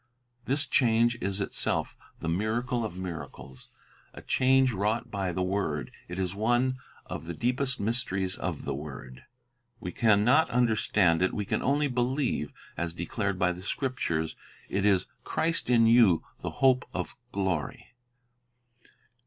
This change is itself the miracle of miracles. A change wrought by the word, it is one of the deepest mysteries of the word. We can not understand it; we can only believe, as declared by the Scriptures, it is "Christ in you, the hope of glory."